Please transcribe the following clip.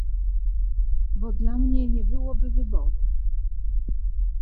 "Bo dla mnie nie byłoby wyboru."